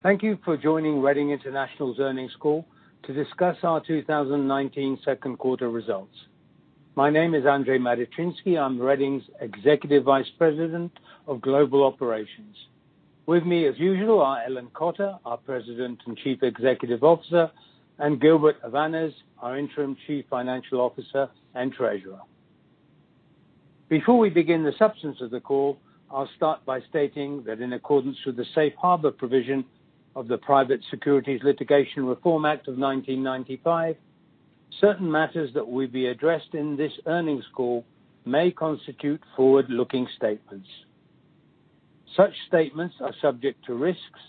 Thank you for joining Reading International's earnings call to discuss our 2019 second quarter results. My name is Andrzej Matyczynski. I'm Reading's Executive Vice President of Global Operations. With me, as usual, are Ellen Cotter, our President and Chief Executive Officer, and Gilbert Avanes, our Interim Chief Financial Officer and Treasurer. Before we begin the substance of the call, I'll start by stating that in accordance with the safe harbor provision of the Private Securities Litigation Reform Act of 1995, certain matters that will be addressed in this earnings call may constitute forward-looking statements. Such statements are subject to risks,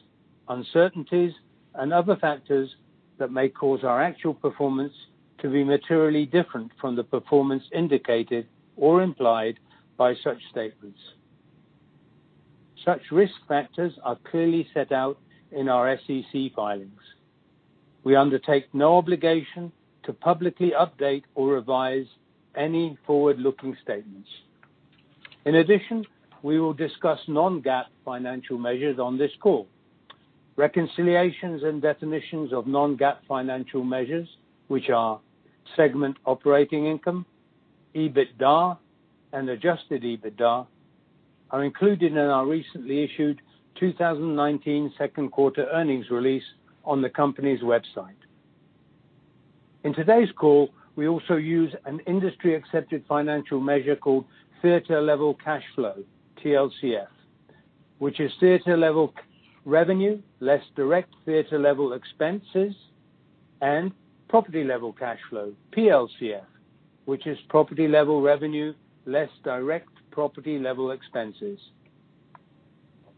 uncertainties, and other factors that may cause our actual performance to be materially different from the performance indicated or implied by such statements. Such risk factors are clearly set out in our SEC filings. We undertake no obligation to publicly update or revise any forward-looking statements. We will discuss non-GAAP financial measures on this call. Reconciliations and definitions of non-GAAP financial measures, which are segment operating income, EBITDA, and adjusted EBITDA, are included in our recently issued 2019 second quarter earnings release on the company's website. In today's call, we also use an industry-accepted financial measure called theater level cash flow, TLCF, which is theater level revenue, less direct theater level expenses, and property level cash flow, PLCF, which is property level revenue, less direct property level expenses.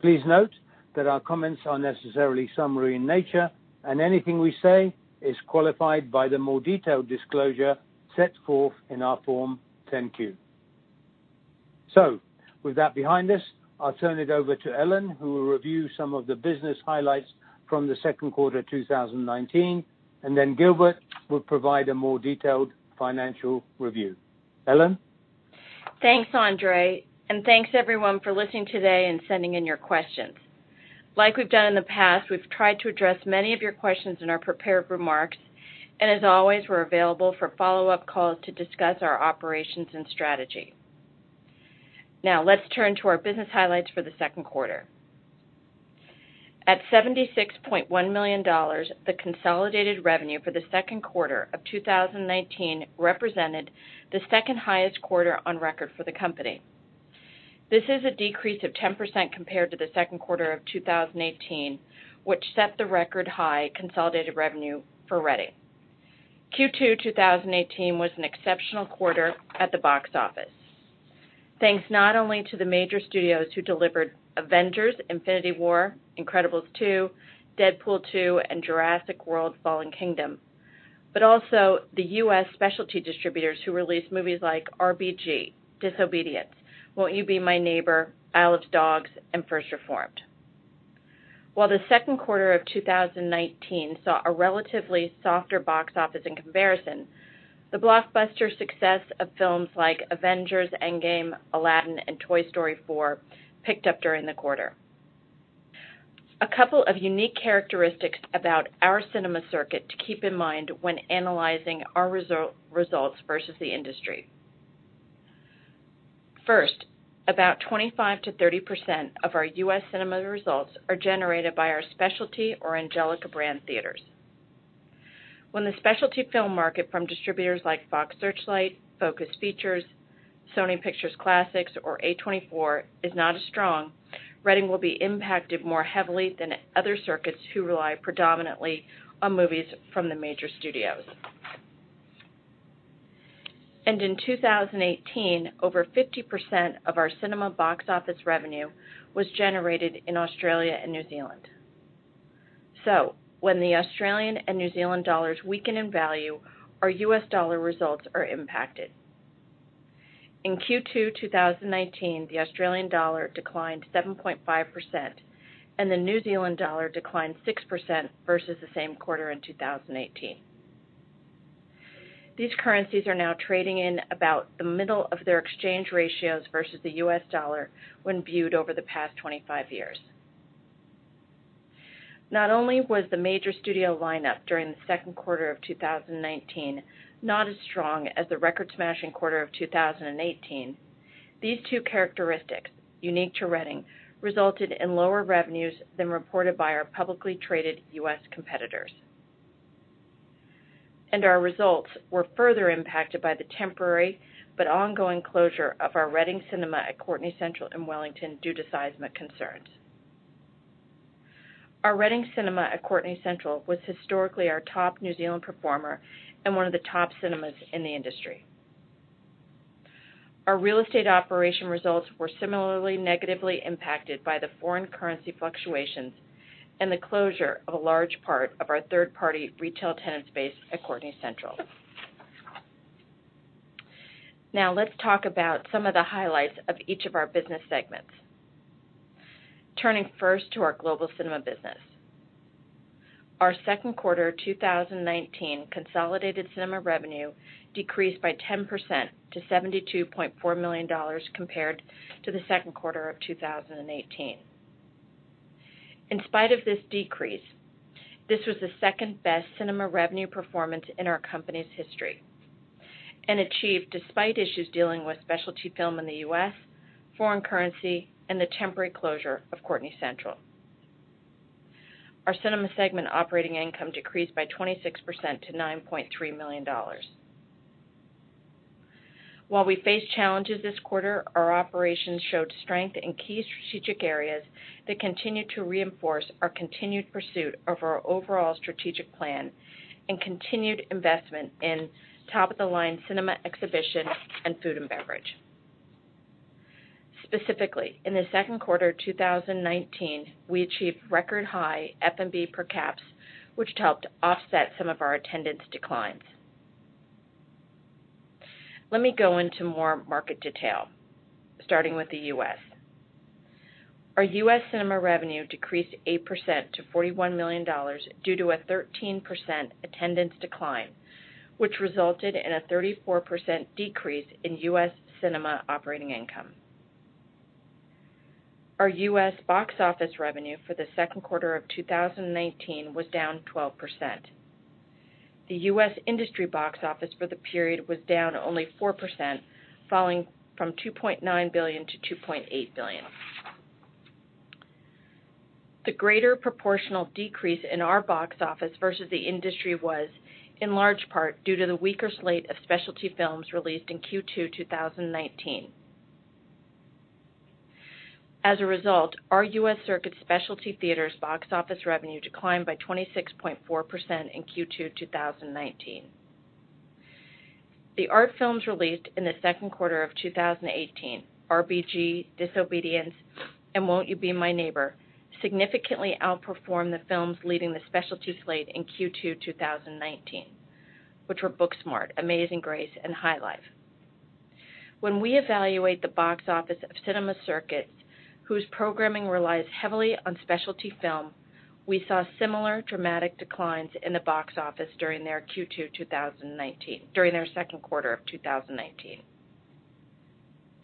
Please note that our comments are necessarily summary in nature, and anything we say is qualified by the more detailed disclosure set forth in our Form 10-Q. With that behind us, I'll turn it over to Ellen, who will review some of the business highlights from the second quarter 2019, and then Gilbert will provide a more detailed financial review. Ellen? Thanks, Andrzej, thanks everyone for listening today and sending in your questions. Like we've done in the past, we've tried to address many of your questions in our prepared remarks, and as always, we're available for follow-up calls to discuss our operations and strategy. Now, let's turn to our business highlights for the second quarter. At $76.1 million, the consolidated revenue for the second quarter of 2019 represented the second highest quarter on record for the company. This is a decrease of 10% compared to the second quarter of 2018, which set the record high consolidated revenue for Reading. Q2 2018 was an exceptional quarter at the box office. Thanks not only to the major studios who delivered "Avengers: Infinity War," "Incredibles 2," "Deadpool 2," and "Jurassic World: Fallen Kingdom," but also the U.S. specialty distributors who released movies like "RBG," "Disobedience," "Won't You Be My Neighbor," "Isle of Dogs," and "First Reformed." While the second quarter of 2019 saw a relatively softer box office in comparison, the blockbuster success of films like "Avengers: Endgame," "Aladdin" and "Toy Story 4" picked up during the quarter. A couple of unique characteristics about our cinema circuit to keep in mind when analyzing our results versus the industry. First, about 25%-30% of our U.S. cinema results are generated by our specialty or Angelika brand theaters. When the specialty film market from distributors like Fox Searchlight, Focus Features, Sony Pictures Classics, or A24 is not as strong, Reading will be impacted more heavily than other circuits who rely predominantly on movies from the major studios. In 2018, over 50% of our cinema box office revenue was generated in Australia and New Zealand. When the Australian and New Zealand dollars weaken in value, our US dollar results are impacted. In Q2 2019, the Australian dollar declined 7.5% and the New Zealand dollar declined 6% versus the same quarter in 2018. These currencies are now trading in about the middle of their exchange ratios versus the US dollar when viewed over the past 25 years. Not only was the major studio lineup during the second quarter of 2019 not as strong as the record-smashing quarter of 2018, these two characteristics, unique to Reading, resulted in lower revenues than reported by our publicly traded U.S. competitors. Our results were further impacted by the temporary but ongoing closure of our Reading Cinemas at Courtenay Central in Wellington due to seismic concerns. Our Reading Cinemas at Courtenay Central was historically our top New Zealand performer and one of the top cinemas in the industry. Our real estate operation results were similarly negatively impacted by the foreign currency fluctuations and the closure of a large part of our third-party retail tenant space at Courtenay Central. Let's talk about some of the highlights of each of our business segments. Turning first to our global cinema business. Our second quarter 2019 consolidated cinema revenue decreased by 10% to $72.4 million compared to the second quarter of 2018. In spite of this decrease, this was the second-best cinema revenue performance in our company's history and achieved despite issues dealing with specialty film in the U.S., foreign currency, and the temporary closure of Courtenay Central. Our cinema segment operating income decreased by 26% to $9.3 million. While we face challenges this quarter, our operations showed strength in key strategic areas that continue to reinforce our continued pursuit of our overall strategic plan and continued investment in top-of-the-line cinema exhibition and food and beverage. Specifically, in the second quarter of 2019, we achieved record-high F&B per caps, which helped offset some of our attendance declines. Let me go into more market detail, starting with the U.S. Our U.S. cinema revenue decreased 8% to $41 million due to a 13% attendance decline, which resulted in a 34% decrease in U.S. cinema operating income. Our U.S. box office revenue for the second quarter of 2019 was down 12%. The U.S. industry box office for the period was down only 4%, falling from $2.9 billion to $2.8 billion. The greater proportional decrease in our box office versus the industry was in large part due to the weaker slate of specialty films released in Q2 2019. As a result, our U.S. Circuit specialty theaters box office revenue declined by 26.4% in Q2 2019. The art films released in the second quarter of 2018, "RBG," "Disobedience," and "Won't You Be My Neighbor," significantly outperformed the films leading the specialty slate in Q2 2019, which were "Booksmart," "Amazing Grace," and "High Life." When we evaluate the box office of Cinema Circuit, whose programming relies heavily on specialty film, we saw similar dramatic declines in the box office during their second quarter of 2019.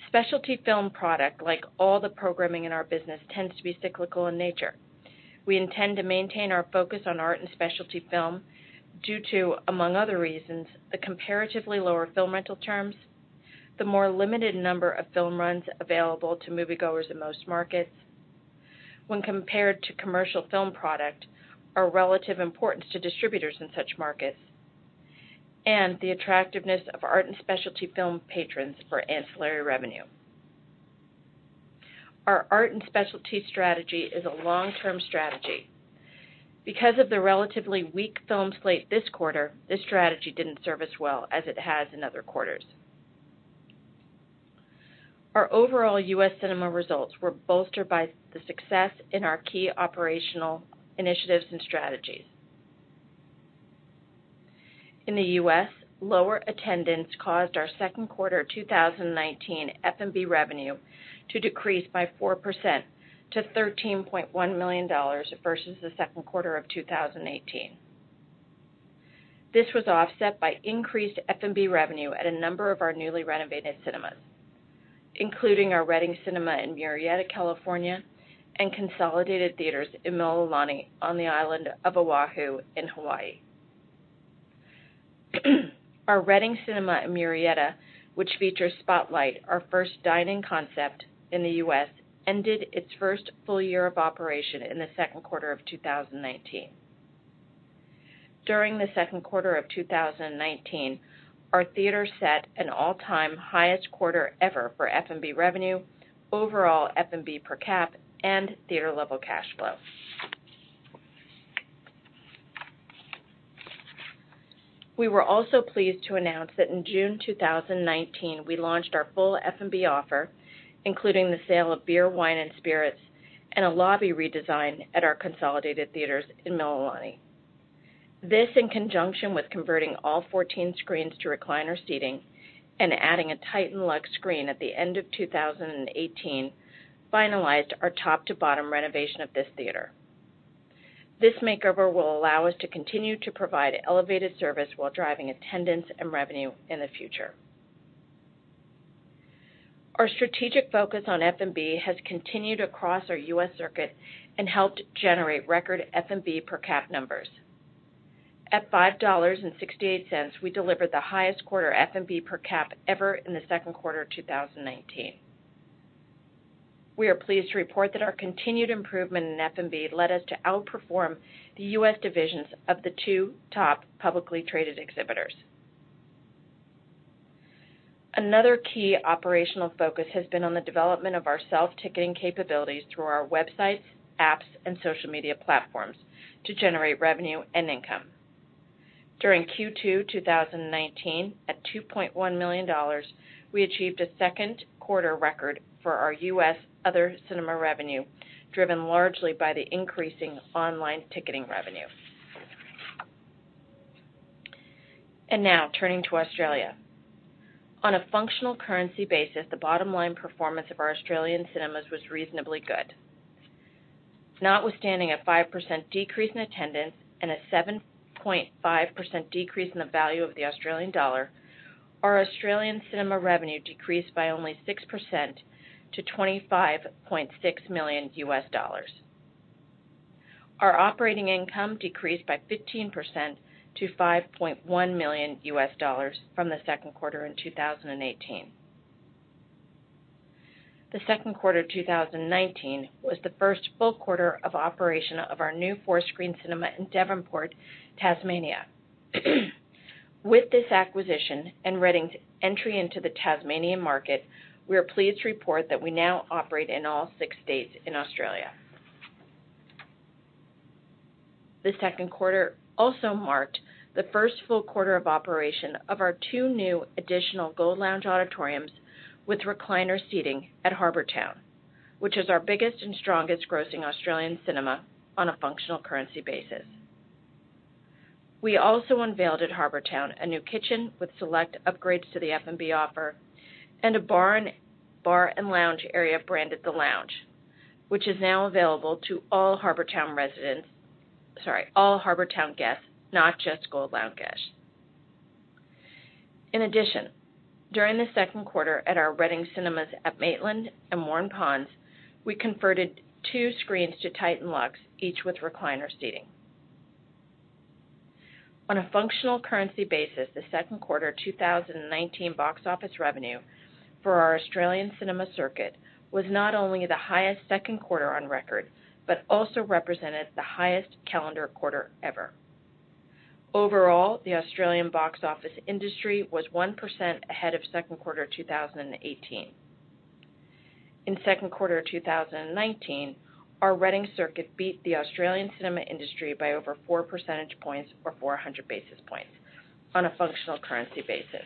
Specialty film product, like all the programming in our business, tends to be cyclical in nature. We intend to maintain our focus on art and specialty film due to, among other reasons, the comparatively lower film rental terms, the more limited number of film runs available to moviegoers in most markets when compared to commercial film product or relative importance to distributors in such markets, and the attractiveness of art and specialty film patrons for ancillary revenue. Our art and specialty strategy is a long-term strategy. Because of the relatively weak film slate this quarter, this strategy didn't serve us well as it has in other quarters. Our overall U.S. cinema results were bolstered by the success in our key operational initiatives and strategies. In the U.S., lower attendance caused our second quarter 2019 F&B revenue to decrease by 4% to $13.1 million versus the second quarter of 2018. This was offset by increased F&B revenue at a number of our newly renovated cinemas, including our Reading Cinema in Murrieta, California, and Consolidated Theatres in Mililani on the island of Oahu in Hawaii. Our Reading Cinema in Murrieta, which features Spotlight, our first dine-in concept in the U.S., ended its first full year of operation in the second quarter of 2019. During the second quarter of 2019, our theater set an all-time highest quarter ever for F&B revenue, overall F&B per cap, and theater-level cash flow. We were also pleased to announce that in June 2019, we launched our full F&B offer, including the sale of beer, wine, and spirits, and a lobby redesign at our Consolidated Theatres in Mililani. This, in conjunction with converting all 14 screens to recliner seating and adding a Titan Luxe screen at the end of 2018, finalized our top-to-bottom renovation of this theater. This makeover will allow us to continue to provide elevated service while driving attendance and revenue in the future. Our strategic focus on F&B has continued across our U.S. circuit and helped generate record F&B per cap numbers. At $5.68, we delivered the highest quarter F&B per cap ever in the second quarter of 2019. We are pleased to report that our continued improvement in F&B led us to outperform the U.S. divisions of the two top publicly traded exhibitors. Another key operational focus has been on the development of our self-ticketing capabilities through our websites, apps, and social media platforms to generate revenue and income. During Q2 2019, at $2.1 million, we achieved a second quarter record for our U.S. other cinema revenue, driven largely by the increasing online ticketing revenue. Now turning to Australia. On a functional currency basis, the bottom line performance of our Australian cinemas was reasonably good. Notwithstanding a 5% decrease in attendance and a 7.5% decrease in the value of the Australian dollar, our Australian cinema revenue decreased by only 6% to $25.6 million. Our operating income decreased by 15% to $5.1 million from the second quarter in 2018. The second quarter of 2019 was the first full quarter of operation of our new four-screen cinema in Devonport, Tasmania. With this acquisition and Reading's entry into the Tasmanian market, we are pleased to report that we now operate in all six states in Australia. The second quarter also marked the first full quarter of operation of our two new additional Gold Lounge auditoriums with recliner seating at Harbour Town, which is our biggest and strongest grossing Australian cinema on a functional currency basis. We also unveiled at Harbour Town a new kitchen with select upgrades to the F&B offer and a bar and lounge area branded The Lounge, which is now available to all Harbour Town guests, not just Gold Lounge guests. In addition, during the second quarter at our Reading Cinemas at Maitland and Waurn Ponds, we converted two screens to Titan Luxe, each with recliner seating. On a functional currency basis, the second quarter 2019 box office revenue for our Australian cinema circuit was not only the highest second quarter on record but also represented the highest calendar quarter ever. Overall, the Australian box office industry was 1% ahead of second quarter 2018. In second quarter 2019, our Reading circuit beat the Australian cinema industry by over four percentage points or 400 basis points on a functional currency basis.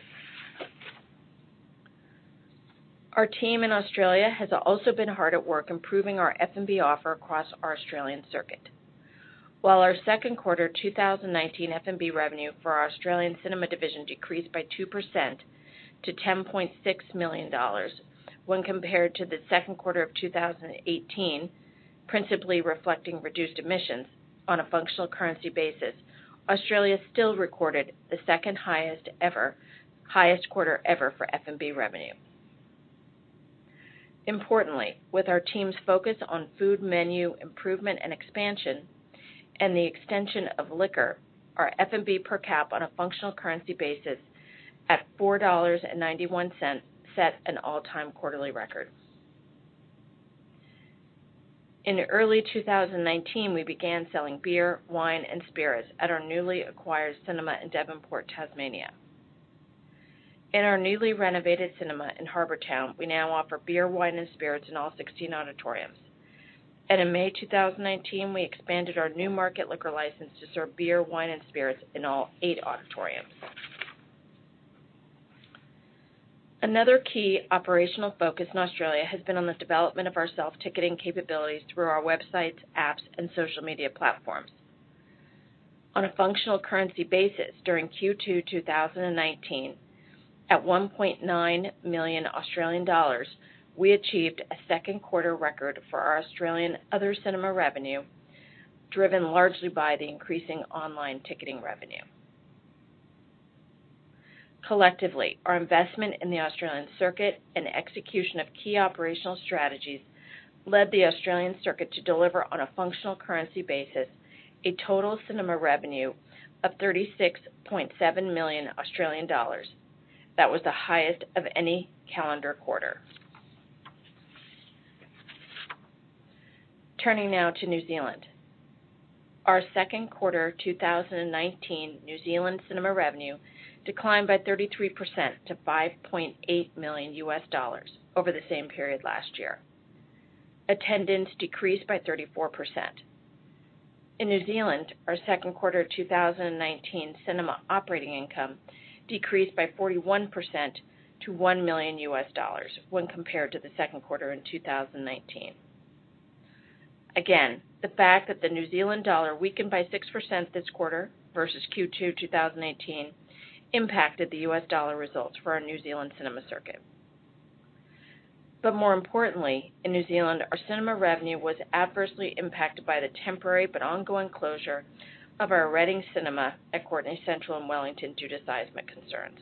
Our team in Australia has also been hard at work improving our F&B offer across our Australian circuit. While our second quarter 2019 F&B revenue for our Australian cinema division decreased by 2% to 10.6 million dollars when compared to the second quarter of 2018, principally reflecting reduced admissions on a functional currency basis, Australia still recorded the second-highest quarter ever for F&B revenue. With our team's focus on food menu improvement and expansion and the extension of liquor, our F&B per cap on a functional currency basis at $4.91 set an all-time quarterly record. In early 2019, we began selling beer, wine, and spirits at our newly acquired cinema in Devonport, Tasmania. In our newly renovated cinema in Harbour Town, we now offer beer, wine, and spirits in all 16 auditoriums. In May 2019, we expanded our new market liquor license to serve beer, wine, and spirits in all eight auditoriums. Another key operational focus in Australia has been on the development of our self-ticketing capabilities through our websites, apps, and social media platforms. On a functional currency basis during Q2 2019, at 1.9 million Australian dollars, we achieved a second quarter record for our Australian other cinema revenue, driven largely by the increasing online ticketing revenue. Collectively, our investment in the Australian circuit and execution of key operational strategies led the Australian circuit to deliver, on a functional currency basis, a total cinema revenue of 36.7 million Australian dollars. That was the highest of any calendar quarter. Turning now to New Zealand. Our second quarter 2019 New Zealand cinema revenue declined by 33% to $5.8 million over the same period last year. Attendance decreased by 34%. In New Zealand, our second quarter 2019 cinema operating income decreased by 41% to $1 million when compared to the second quarter in 2019. Again, the fact that the New Zealand dollar weakened by 6% this quarter versus Q2 2018 impacted the US dollar results for our New Zealand cinema circuit. More importantly, in New Zealand, our cinema revenue was adversely impacted by the temporary but ongoing closure of our Reading Cinemas at Courtenay Central in Wellington due to seismic concerns.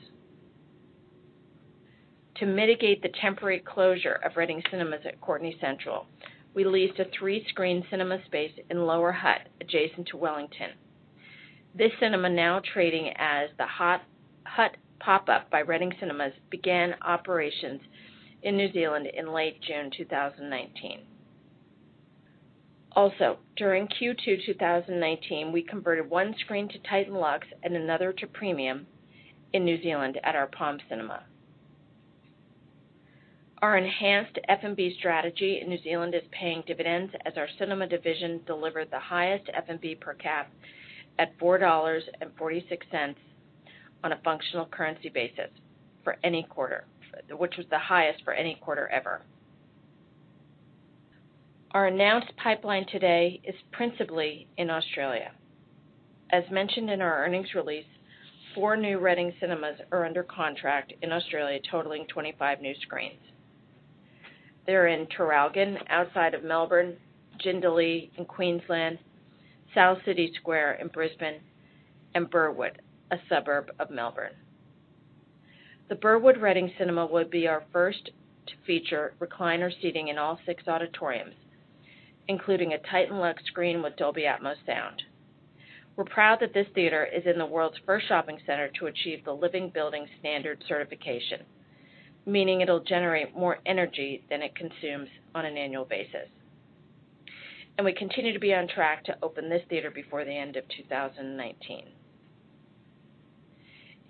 To mitigate the temporary closure of Reading Cinemas at Courtenay Central, we leased a 3-screen cinema space in Lower Hutt, adjacent to Wellington. This cinema, now trading as the Hutt Pop-Up by Reading Cinemas, began operations in New Zealand in late June 2019. Also, during Q2 2019, we converted one screen to Titan Luxe and another to premium in New Zealand at our The Palms Cinema. Our enhanced F&B strategy in New Zealand is paying dividends as our cinema division delivered the highest F&B per cap at $4.46 on a functional currency basis, which was the highest for any quarter ever. Our announced pipeline today is principally in Australia. As mentioned in our earnings release, four new Reading Cinemas are under contract in Australia, totaling 25 new screens. They're in Traralgon, outside of Melbourne, Jindalee in Queensland, South City Square in Brisbane, and Burwood, a suburb of Melbourne. The Burwood Reading Cinema will be our first to feature recliner seating in all six auditoriums, including a Titan Luxe screen with Dolby Atmos sound. We're proud that this theater is in the world's first shopping center to achieve the Living Building Challenge certification, meaning it'll generate more energy than it consumes on an annual basis. We continue to be on track to open this theater before the end of 2019.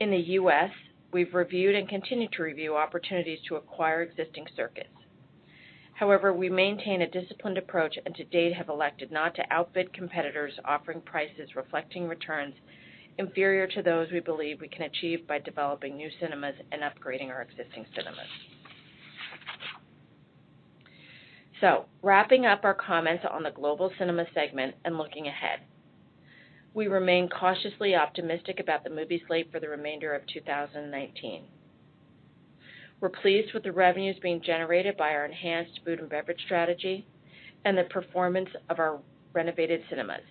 In the U.S., we've reviewed and continue to review opportunities to acquire existing circuits. We maintain a disciplined approach and to date have elected not to outbid competitors offering prices reflecting returns inferior to those we believe we can achieve by developing new cinemas and upgrading our existing cinemas. Wrapping up our comments on the global cinema segment and looking ahead. We remain cautiously optimistic about the movie slate for the remainder of 2019. We're pleased with the revenues being generated by our enhanced food and beverage strategy and the performance of our renovated cinemas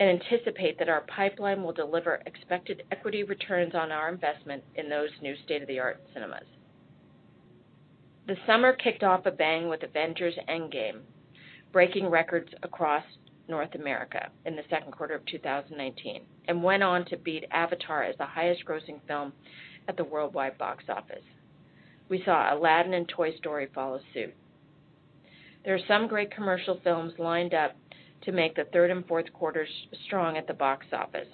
and anticipate that our pipeline will deliver expected equity returns on our investment in those new state-of-the-art cinemas. The summer kicked off a bang with "Avengers: Endgame," breaking records across North America in the second quarter of 2019 and went on to beat "Avatar" as the highest grossing film at the worldwide box office. We saw "Aladdin" and "Toy Story" follow suit. There are some great commercial films lined up to make the third and fourth quarters strong at the box office.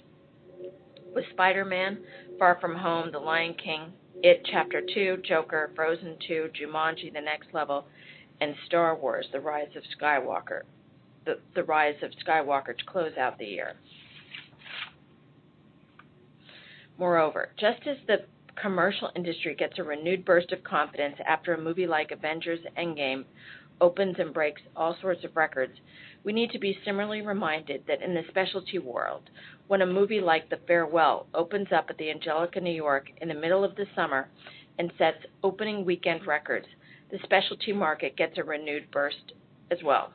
With "Spider-Man: Far From Home," "The Lion King," "It Chapter Two," "Joker," "Frozen 2," "Jumanji: The Next Level," and "Star Wars: The Rise of Skywalker" to close out the year. Moreover, just as the commercial industry gets a renewed burst of confidence after a movie like Avengers: Endgame opens and breaks all sorts of records, we need to be similarly reminded that in the specialty world, when a movie like "The Farewell" opens up at the Angelika New York in the middle of the summer and sets opening weekend records, the specialty market gets a renewed burst as well.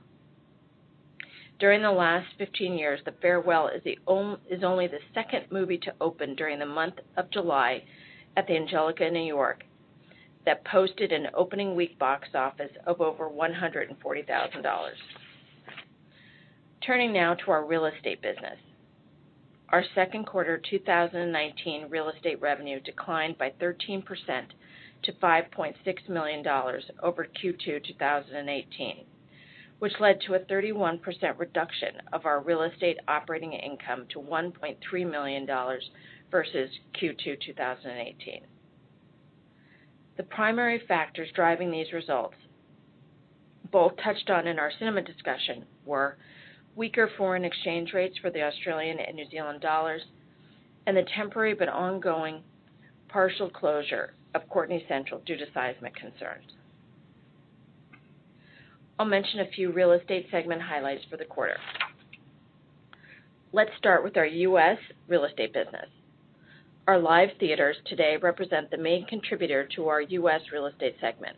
During the last 15 years, "The Farewell" is only the second movie to open during the month of July at the Angelika New York that posted an opening week box office of over $140,000. Turning now to our real estate business. Our second quarter 2019 real estate revenue declined by 13% to $5.6 million over Q2 2018, which led to a 31% reduction of our real estate operating income to $1.3 million versus Q2 2018. The primary factors driving these results, both touched on in our cinema discussion, were weaker foreign exchange rates for the Australian and New Zealand dollars, and the temporary but ongoing partial closure of Courtenay Central due to seismic concerns. I'll mention a few real estate segment highlights for the quarter. Let's start with our U.S. real estate business. Our live theaters today represent the main contributor to our U.S. real estate segment.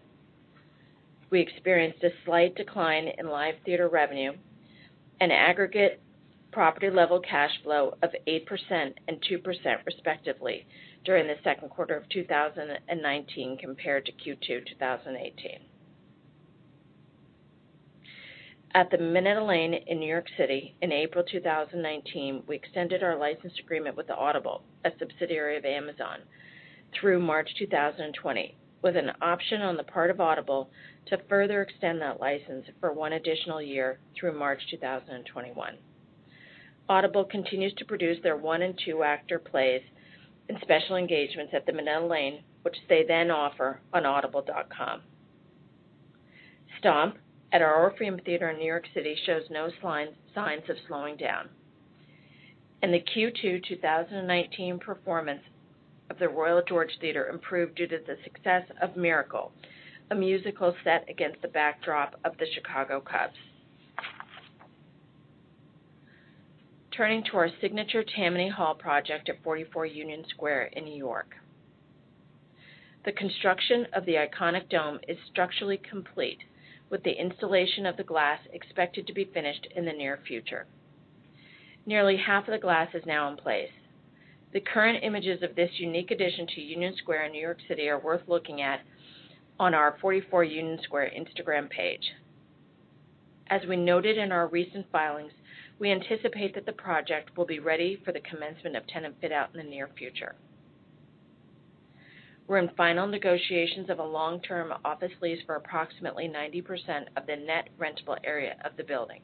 We experienced a slight decline in live theater revenue and aggregate property-level cash flow of 8% and 2% respectively during the second quarter of 2019 compared to Q2 2018. At the Minetta Lane in New York City in April 2019, we extended our license agreement with Audible, a subsidiary of Amazon, through March 2020, with an option on the part of Audible to further extend that license for one additional year through March 2021. Audible continues to produce their one- and two-actor plays and special engagements at the Minetta Lane, which they then offer on audible.com. Stomp at our Orpheum Theatre in New York City shows no signs of slowing down. The Q2 2019 performance of the Royal George Theatre improved due to the success of "Miracle," a musical set against the backdrop of the Chicago Cubs. Turning to our signature Tammany Hall project at 44 Union Square in New York. The construction of the iconic dome is structurally complete, with the installation of the glass expected to be finished in the near future. Nearly half of the glass is now in place. The current images of this unique addition to Union Square in New York City are worth looking at on our 44 Union Square Instagram page. As we noted in our recent filings, we anticipate that the project will be ready for the commencement of tenant fit-out in the near future. We're in final negotiations of a long-term office lease for approximately 90% of the net rentable area of the building.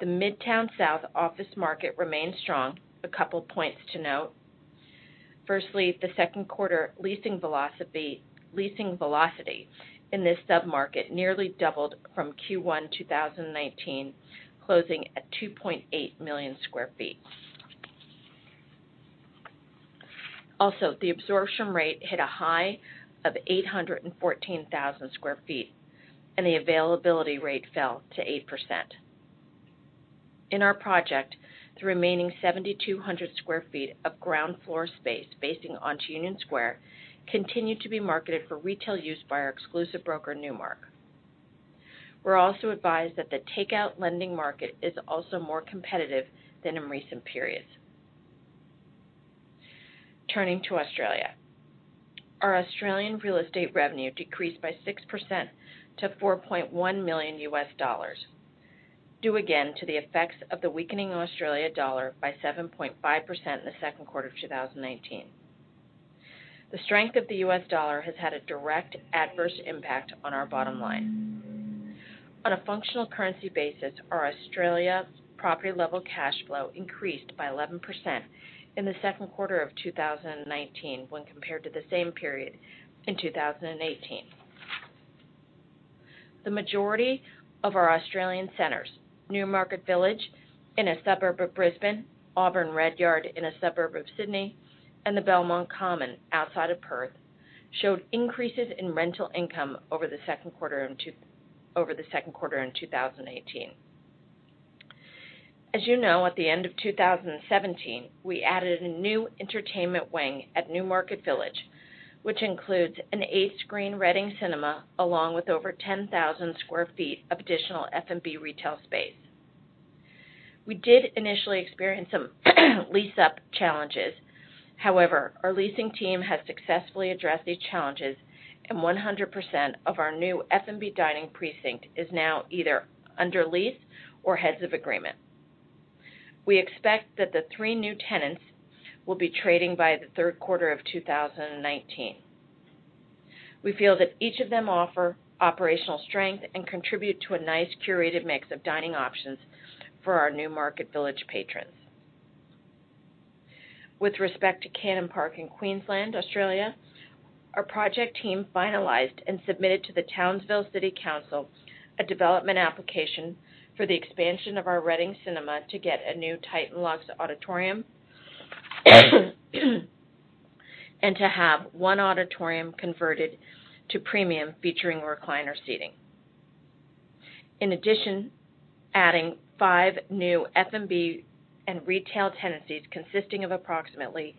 The Midtown South office market remains strong. A couple points to note. The second quarter leasing velocity in this sub-market nearly doubled from Q1 2019, closing at 2.8 million square feet. The absorption rate hit a high of 814,000 square feet, and the availability rate fell to 8%. In our project, the remaining 7,200 square feet of ground floor space facing onto Union Square continued to be marketed for retail use by our exclusive broker, Newmark. We're also advised that the takeout lending market is also more competitive than in recent periods. Turning to Australia. Our Australian real estate revenue decreased by 6% to $4.1 million, due again to the effects of the weakening Australian dollar by 7.5% in the second quarter of 2019. The strength of the U.S. dollar has had a direct adverse impact on our bottom line. On a functional currency basis, our Australia property-level cash flow increased by 11% in the second quarter of 2019 when compared to the same period in 2018. The majority of our Australian centers, Newmarket Village, in a suburb of Brisbane, Auburn Redyard in a suburb of Sydney, and The Belmont Common outside of Perth, showed increases in rental income over the second quarter in 2018. As you know, at the end of 2017, we added a new entertainment wing at Newmarket Village, which includes an eight-screen Reading Cinema along with over 10,000 sq ft of additional F&B retail space. We did initially experience some lease-up challenges. However, our leasing team has successfully addressed these challenges, and 100% of our new F&B dining precinct is now either under lease or has an agreement. We expect that the three new tenants will be trading by the third quarter of 2019. We feel that each of them offer operational strength and contribute to a nice curated mix of dining options for our Newmarket Village patrons. With respect to Cannon Park in Queensland, Australia, our project team finalized and submitted to the Townsville City Council a development application for the expansion of our Reading Cinema to get a new Titan Luxe auditorium and to have one auditorium converted to premium featuring recliner seating. In addition, adding five new F&B and retail tenancies consisting of approximately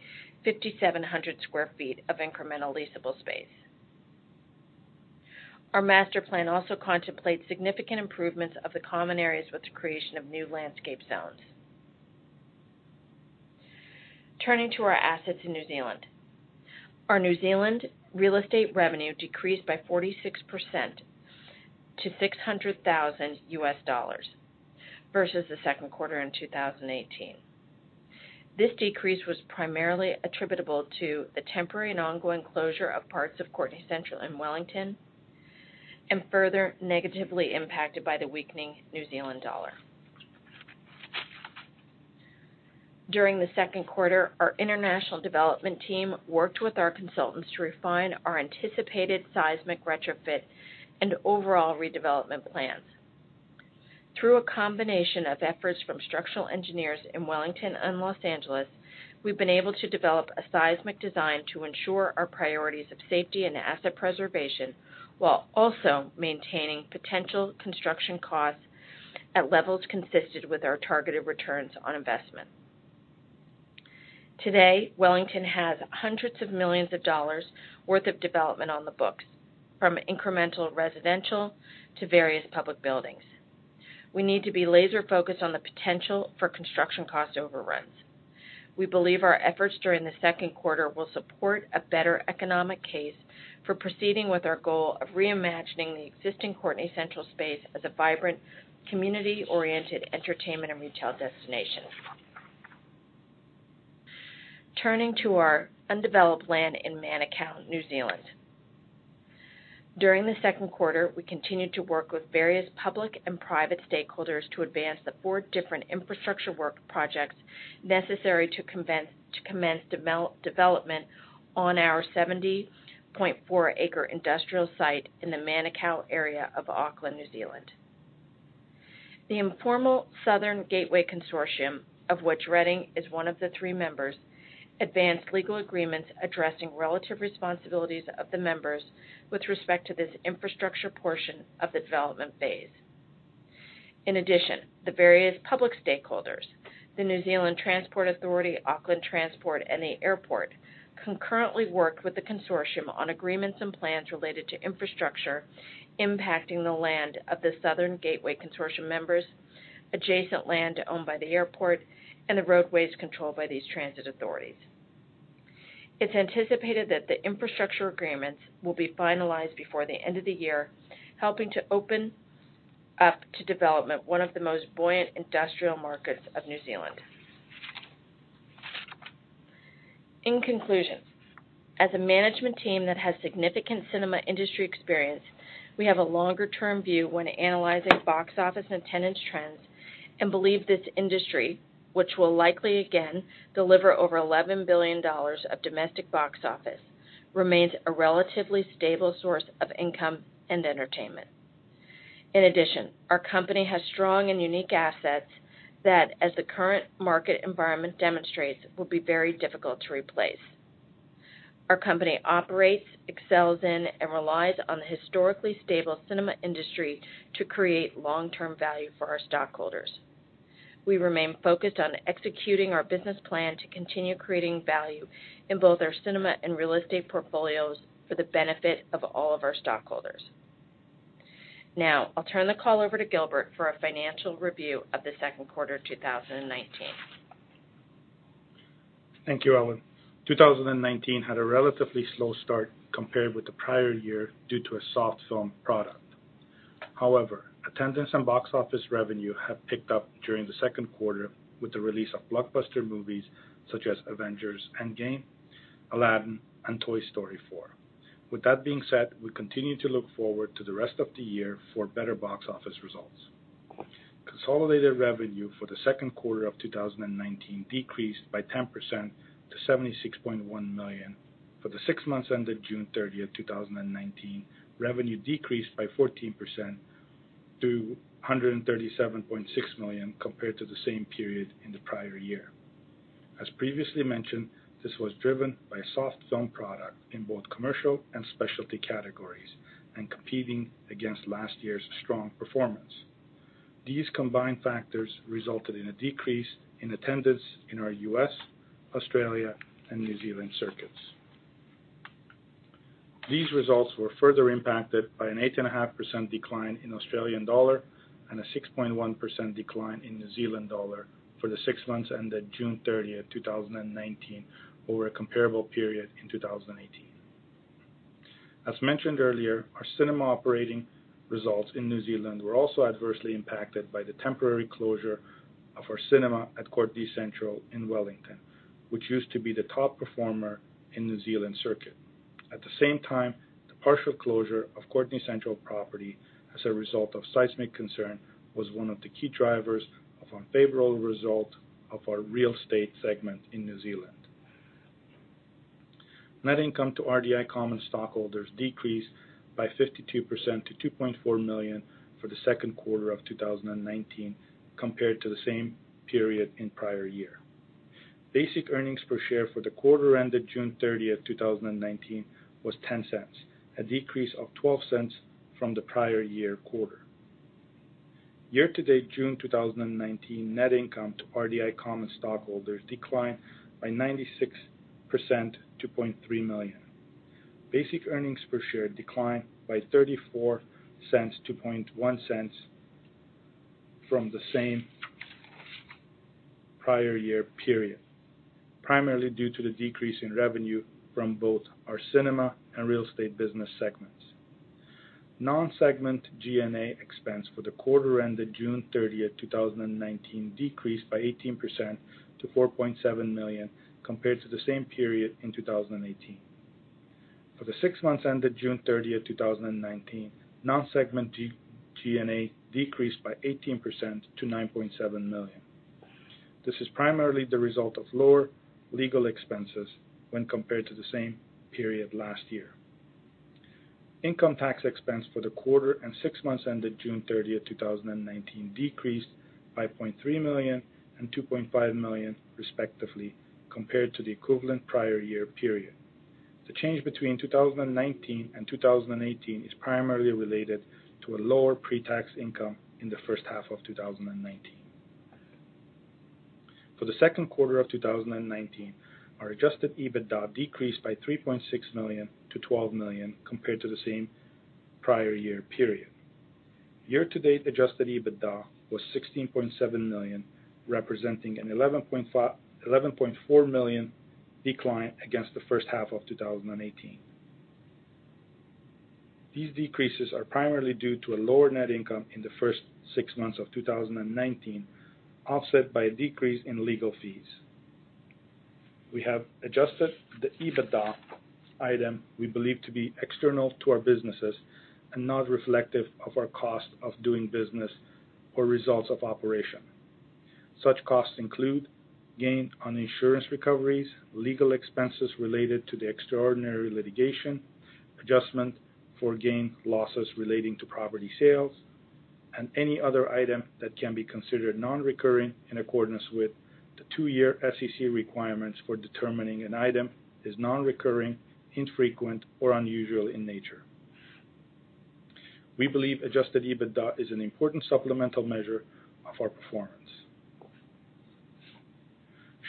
5,700 square feet of incremental leasable space. Our master plan also contemplates significant improvements of the common areas with the creation of new landscape zones. Turning to our assets in New Zealand. Our New Zealand real estate revenue decreased by 46% to $600,000 versus the second quarter in 2018. This decrease was primarily attributable to the temporary and ongoing closure of parts of Courtenay Central in Wellington and further negatively impacted by the weakening New Zealand dollar. During the second quarter, our international development team worked with our consultants to refine our anticipated seismic retrofit and overall redevelopment plans. Through a combination of efforts from structural engineers in Wellington and Los Angeles, we've been able to develop a seismic design to ensure our priorities of safety and asset preservation, while also maintaining potential construction costs at levels consistent with our targeted returns on investment. Today, Wellington has hundreds of millions of dollars worth of development on the books, from incremental residential to various public buildings. We need to be laser-focused on the potential for construction cost overruns. We believe our efforts during the second quarter will support a better economic case for proceeding with our goal of reimagining the existing Courtenay Central space as a vibrant, community-oriented entertainment and retail destination. Turning to our undeveloped land in Manukau, New Zealand. During the second quarter, we continued to work with various public and private stakeholders to advance the four different infrastructure work projects necessary to commence development on our 70.4-acre industrial site in the Manukau area of Auckland, New Zealand. The informal Southern Gateway Consortium, of which Reading is one of the three members, advanced legal agreements addressing relative responsibilities of the members with respect to this infrastructure portion of the development phase. In addition, the various public stakeholders, the New Zealand Transport Agency, Auckland Transport, and the airport, concurrently worked with the consortium on agreements and plans related to infrastructure impacting the land of the Southern Gateway Consortium members, adjacent land owned by the airport, and the roadways controlled by these transit authorities. It's anticipated that the infrastructure agreements will be finalized before the end of the year, helping to open up to development one of the most buoyant industrial markets of New Zealand. In conclusion, as a management team that has significant cinema industry experience, we have a longer-term view when analyzing box office and attendance trends and believe this industry, which will likely again deliver over $11 billion of domestic box office, remains a relatively stable source of income and entertainment. In addition, our company has strong and unique assets that, as the current market environment demonstrates, will be very difficult to replace. Our company operates, excels in, and relies on the historically stable cinema industry to create long-term value for our stockholders. We remain focused on executing our business plan to continue creating value in both our cinema and real estate portfolios for the benefit of all of our stockholders. Now, I'll turn the call over to Gilbert for a financial review of the second quarter of 2019. Thank you, Ellen. 2019 had a relatively slow start compared with the prior year due to a soft film product. However, attendance and box office revenue have picked up during the second quarter with the release of blockbuster movies such as "Avengers: Endgame," "Aladdin," and "Toy Story 4." With that being said, we continue to look forward to the rest of the year for better box office results. Consolidated revenue for the second quarter of 2019 decreased by 10% to $76.1 million. For the six months ended June 30th, 2019, revenue decreased by 14% to $137.6 million compared to the same period in the prior year. As previously mentioned, this was driven by a soft film product in both commercial and specialty categories and competing against last year's strong performance. These combined factors resulted in a decrease in attendance in our U.S., Australia, and New Zealand circuits. These results were further impacted by an 8.5% decline in AUD and a 6.1% decline in NZD for the six months ended June 30th, 2019, over a comparable period in 2018. As mentioned earlier, our cinema operating results in New Zealand were also adversely impacted by the temporary closure of our cinema at Courtenay Central in Wellington, which used to be the top performer in New Zealand circuit. At the same time, the partial closure of Courtenay Central property as a result of seismic concern, was one of the key drivers of unfavorable result of our real estate segment in New Zealand. Net income to RDI common stockholders decreased by 52% to $2.4 million for the second quarter of 2019 compared to the same period in prior year. Basic earnings per share for the quarter ended June 30, 2019, was $0.10, a decrease of $0.12 from the prior year quarter. Year to date June 2019, net income to RDI common stockholders declined by 96% to $0.3 million. Basic earnings per share declined by $0.34 to $0.10 from the same prior year period. Primarily due to the decrease in revenue from both our cinema and real estate business segments. Non-segment G&A expense for the quarter ended June 30, 2019, decreased by 18% to $4.7 million compared to the same period in 2018. For the six months ended June 30, 2019, non-segment G&A decreased by 18% to $9.7 million. This is primarily the result of lower legal expenses when compared to the same period last year. Income tax expense for the quarter and six months ended June 30th, 2019, decreased by $0.3 million and $2.5 million respectively compared to the equivalent prior year period. The change between 2019 and 2018 is primarily related to a lower pre-tax income in the first half of 2019. For the second quarter of 2019, our adjusted EBITDA decreased by $3.6 million to $12 million compared to the same prior year period. Year-to-date adjusted EBITDA was $16.7 million, representing an $11.4 million decline against the first half of 2018. These decreases are primarily due to a lower net income in the first six months of 2019, offset by a decrease in legal fees. We have adjusted the EBITDA item we believe to be external to our businesses and not reflective of our cost of doing business or results of operation. Such costs include gain on insurance recoveries, legal expenses related to the extraordinary litigation, adjustment for gain losses relating to property sales, and any other item that can be considered non-recurring in accordance with the two-year SEC requirements for determining an item is non-recurring, infrequent, or unusual in nature. We believe adjusted EBITDA is an important supplemental measure of our performance.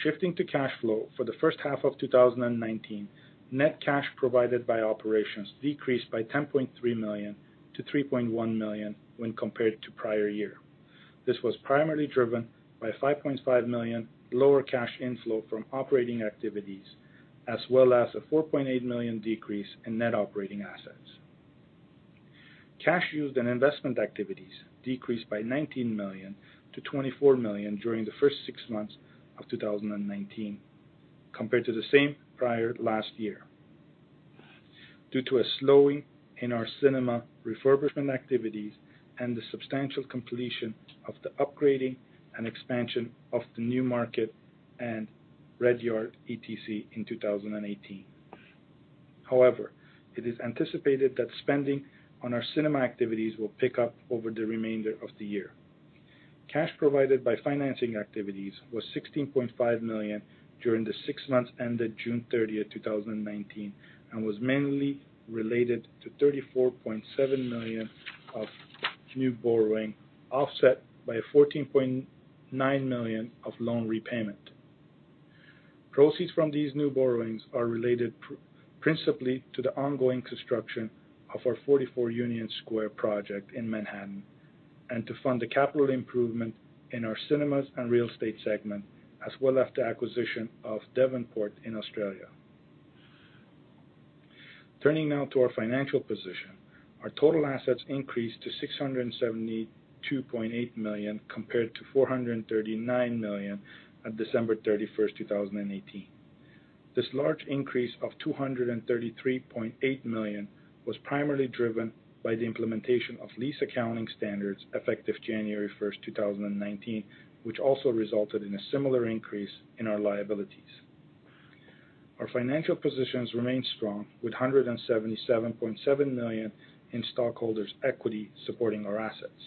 Shifting to cash flow for the first half of 2019, net cash provided by operations decreased by $10.3 million to $3.1 million when compared to prior year. This was primarily driven by $5.5 million lower cash inflow from operating activities, as well as a $4.8 million decrease in net operating assets. Cash used in investment activities decreased by $19 million to $24 million during the first six months of 2019 compared to the same prior last year. Due to a slowing in our cinema refurbishment activities and the substantial completion of the upgrading and expansion of the Newmarket and Redyard ETC in 2018. However, it is anticipated that spending on our cinema activities will pick up over the remainder of the year. Cash provided by financing activities was $16.5 million during the six months ended June 30, 2019, and was mainly related to $34.7 million of new borrowing, offset by $14.9 million of loan repayment. Proceeds from these new borrowings are related principally to the ongoing construction of our 44 Union Square project in Manhattan, and to fund the capital improvement in our cinemas and real estate segment, as well as the acquisition of Devonport in Australia. Turning now to our financial position. Our total assets increased to $672.8 million compared to $439 million on December 31, 2018. This large increase of $233.8 million was primarily driven by the implementation of lease accounting standards effective January 1st, 2019, which also resulted in a similar increase in our liabilities. Our financial positions remain strong, with $177.7 million in stockholders' equity supporting our assets.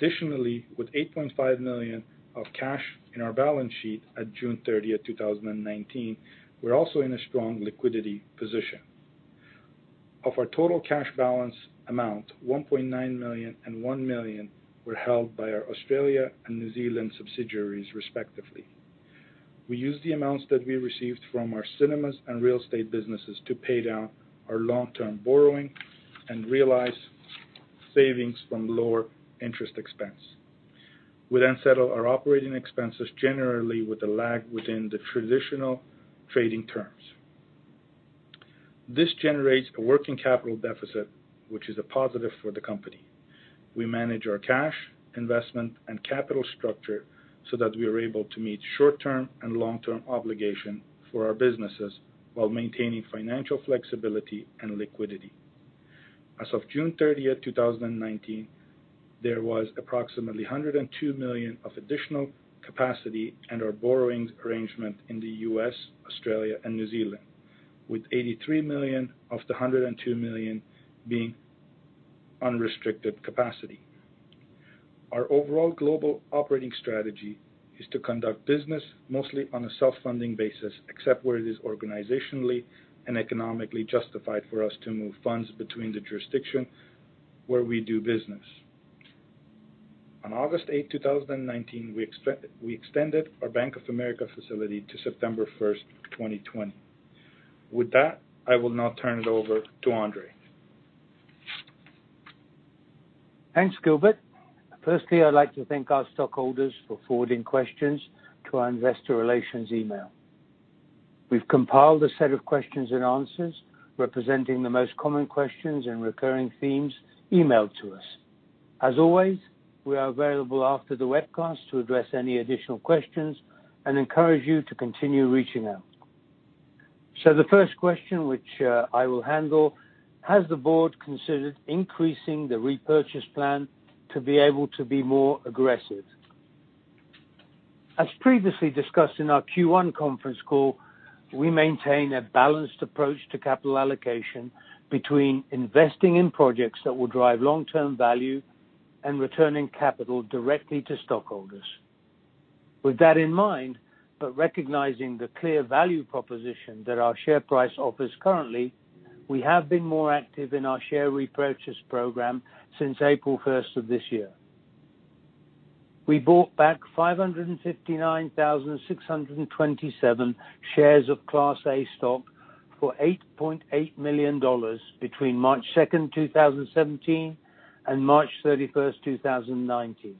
With $8.5 million of cash in our balance sheet at June 30th, 2019, we're also in a strong liquidity position. Of our total cash balance amount, $1.9 million and $1 million were held by our Australia and New Zealand subsidiaries, respectively. We used the amounts that we received from our cinemas and real estate businesses to pay down our long-term borrowing and realize savings from lower interest expense. We settle our operating expenses generally with a lag within the traditional trading terms. This generates a working capital deficit, which is a positive for the company. We manage our cash, investment, and capital structure so that we are able to meet short-term and long-term obligation for our businesses while maintaining financial flexibility and liquidity. As of June 30th, 2019, there was approximately $102 million of additional capacity under our borrowings arrangement in the U.S., Australia, and New Zealand, with $83 million of the $102 million being unrestricted capacity. Our overall global operating strategy is to conduct business mostly on a self-funding basis, except where it is organizationally and economically justified for us to move funds between the jurisdiction where we do business. On August 8, 2019, we extended our Bank of America facility to September 1st, 2020. With that, I will now turn it over to Andrzej. Thanks, Gilbert. I'd like to thank our stockholders for forwarding questions to our investor relations email. We've compiled a set of questions and answers representing the most common questions and recurring themes emailed to us. As always, we are available after the webcast to address any additional questions and encourage you to continue reaching out. The first question, which I will handle: Has the board considered increasing the repurchase plan to be able to be more aggressive? As previously discussed in our Q1 conference call, we maintain a balanced approach to capital allocation between investing in projects that will drive long-term value and returning capital directly to stockholders. With that in mind, but recognizing the clear value proposition that our share price offers currently, we have been more active in our share repurchase program since April 1st of this year. We bought back 559,627 shares of Class A stock for $8.8 million between March 2nd, 2017, and March 31st, 2019.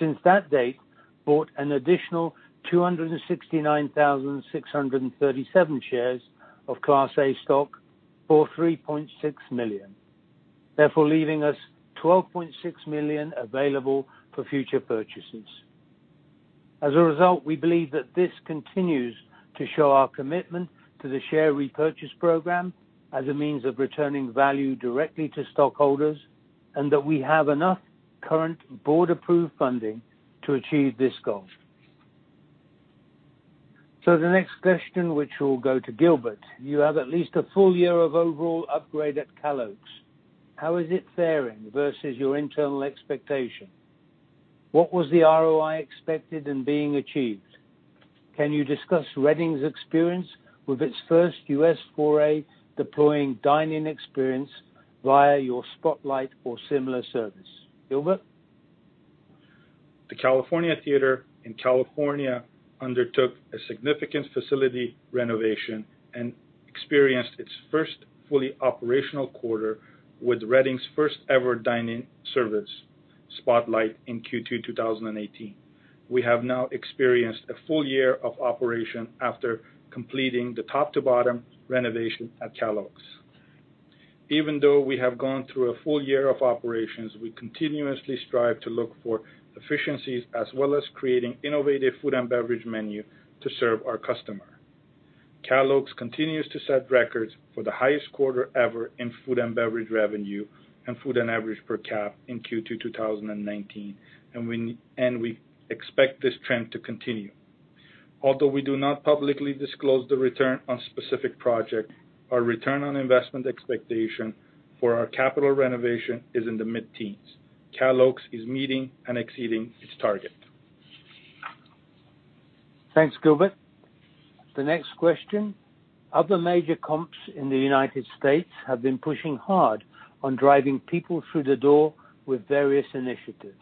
Since that date, bought an additional 269,637 shares of Class A stock for $3.6 million, therefore leaving us $12.6 million available for future purchases. As a result, we believe that this continues to show our commitment to the share repurchase program as a means of returning value directly to stockholders, and that we have enough current board-approved funding to achieve this goal. The next question, which will go to Gilbert. You have at least a full year of overall upgrade at Cal Oaks. How is it faring versus your internal expectation? What was the ROI expected and being achieved? Can you discuss Reading's experience with its first U.S. foray deploying dine-in experience via your Spotlight or similar service? Gilbert? The California Theater in California undertook a significant facility renovation and experienced its first fully operational quarter with Reading's first-ever dine-in service, Spotlight, in Q2 2018. We have now experienced a full year of operation after completing the top-to-bottom renovation at Cal Oaks. Even though we have gone through a full year of operations, we continuously strive to look for efficiencies as well as creating innovative food and beverage menu to serve our customer. Cal Oaks continues to set records for the highest quarter ever in food and beverage revenue and food and beverage per cap in Q2 2019, and we expect this trend to continue. Although we do not publicly disclose the return on specific project, our return on investment expectation for our capital renovation is in the mid-teens. Cal Oaks is meeting and exceeding its target. Thanks, Gilbert. The next question. Other major comps in the U.S. have been pushing hard on driving people through the door with various initiatives.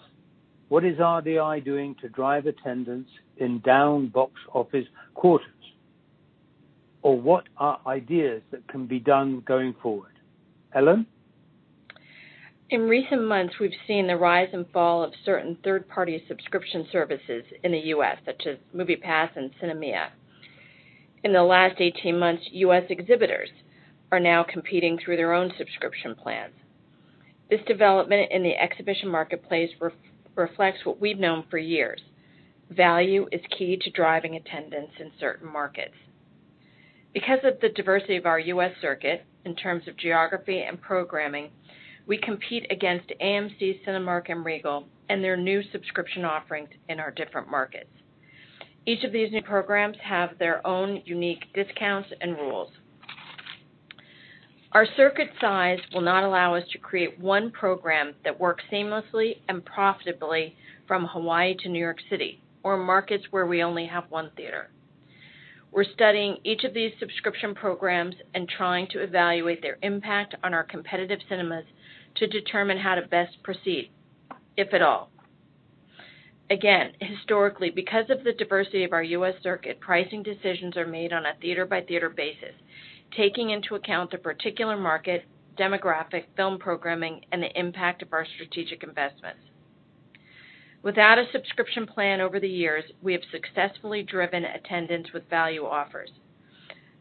What is RDI doing to drive attendance in down box office quarters? What are ideas that can be done going forward? Ellen? In recent months, we've seen the rise and fall of certain third-party subscription services in the US, such as MoviePass and Sinemia. In the last 18 months, US exhibitors are now competing through their own subscription plans. This development in the exhibition marketplace reflects what we've known for years. Value is key to driving attendance in certain markets. Because of the diversity of our US circuit, in terms of geography and programming, we compete against AMC, Cinemark, and Regal, and their new subscription offerings in our different markets. Each of these new programs have their own unique discounts and rules. Our circuit size will not allow us to create one program that works seamlessly and profitably from Hawaii to New York City, or markets where we only have one theater. We're studying each of these subscription programs and trying to evaluate their impact on our competitive cinemas to determine how to best proceed, if at all. Historically, because of the diversity of our U.S. circuit, pricing decisions are made on a theater-by-theater basis. Taking into account the particular market, demographic, film programming, and the impact of our strategic investments. Without a subscription plan over the years, we have successfully driven attendance with value offers.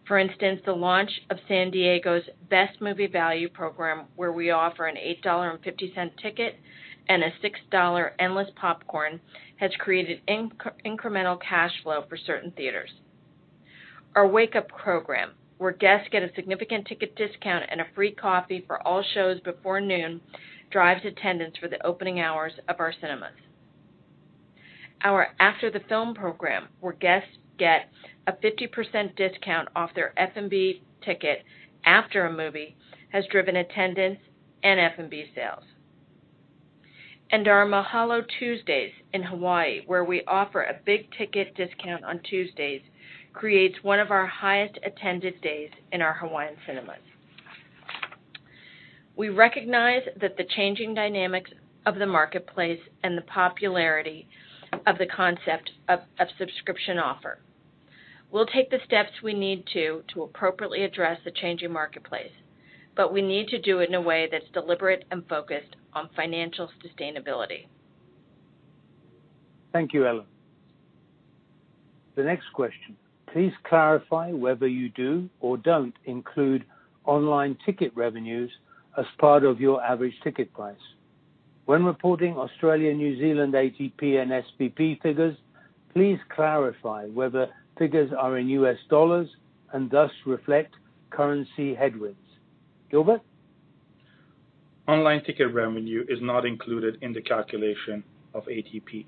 For instance, the launch of San Diego's Best Movie Value program, where we offer an $8.50 ticket and a $6 endless popcorn, has created incremental cash flow for certain theaters. Our Wake Up program, where guests get a significant ticket discount and a free coffee for all shows before noon, drives attendance for the opening hours of our cinemas. Our After The Film program, where guests get a 50% discount off their F&B ticket after a movie, has driven attendance and F&B sales. Our Mahalo Tuesdays in Hawaii, where we offer a big ticket discount on Tuesdays, creates one of our highest attended days in our Hawaiian cinemas. We recognize that the changing dynamics of the marketplace and the popularity of the concept of subscription offer. We'll take the steps we need to appropriately address the changing marketplace, but we need to do it in a way that's deliberate and focused on financial sustainability. Thank you, Ellen. The next question. Please clarify whether you do or don't include online ticket revenues as part of your average ticket price. When reporting Australia, New Zealand, ATP, and SPP figures, please clarify whether figures are in US dollars and thus reflect currency headwinds. Gilbert? Online ticket revenue is not included in the calculation of ATP.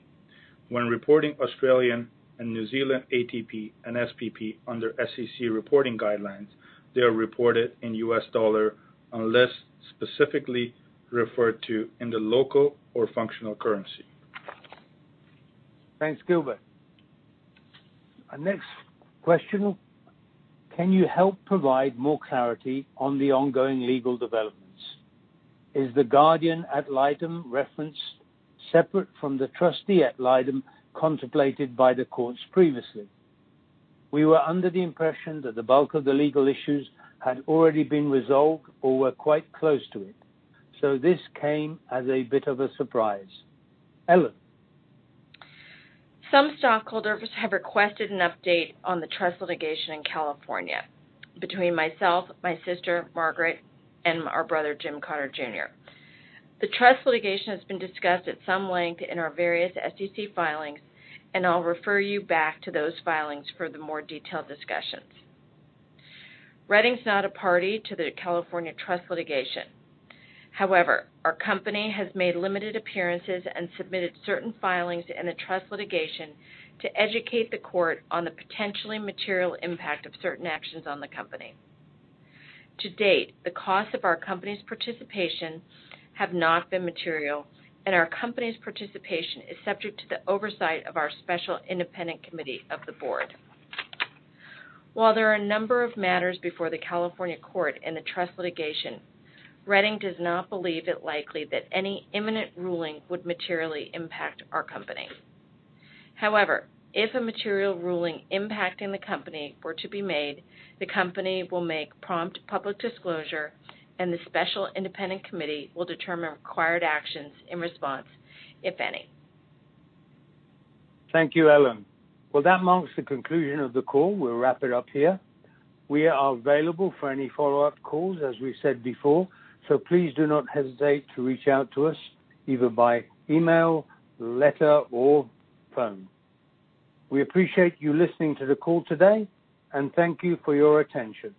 When reporting Australian and New Zealand ATP and SPP under SEC reporting guidelines, they are reported in U.S. dollar unless specifically referred to in the local or functional currency. Thanks, Gilbert. Our next question. Can you help provide more clarity on the ongoing legal developments? Is the Guardian ad litem referenced separate from the trustee ad litem contemplated by the courts previously? We were under the impression that the bulk of the legal issues had already been resolved or were quite close to it. This came as a bit of a surprise. Ellen. Some stockholders have requested an update on the trust litigation in California between myself, my sister Margaret, and our brother, Jim Cotter Jr. The trust litigation has been discussed at some length in our various SEC filings. I'll refer you back to those filings for the more detailed discussions. Reading's not a party to the California trust litigation. However, our company has made limited appearances and submitted certain filings in the trust litigation to educate the court on the potentially material impact of certain actions on the company. To date, the cost of our company's participation have not been material. Our company's participation is subject to the oversight of our special independent committee of the board. While there are a number of matters before the California court in the trust litigation, Reading does not believe it likely that any imminent ruling would materially impact our company. However, if a material ruling impacting the company were to be made, the company will make prompt public disclosure, and the special independent committee will determine required actions in response, if any. Thank you, Ellen. Well, that marks the conclusion of the call. We'll wrap it up here. We are available for any follow-up calls, as we said before, so please do not hesitate to reach out to us either by email, letter, or phone. We appreciate you listening to the call today, and thank you for your attention.